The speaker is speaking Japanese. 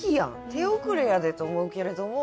手遅れやでと思うけれども。